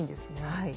はい。